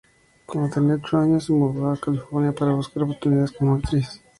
Cuando tenía ocho años, se mudó a California para buscar oportunidades como actriz.